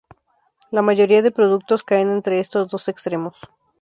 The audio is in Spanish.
La mayoría de productos caen entre estos dos extremos.